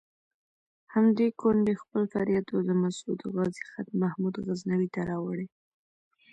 همدې کونډې خپل فریاد او د مسعود غازي خط محمود غزنوي ته راوړی.